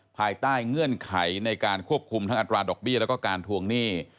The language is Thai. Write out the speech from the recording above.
ภายใต้เงื่อนไขในการควบคุมทั้งอัตราดอกเบี้ยแล้วก็การทวงหนี้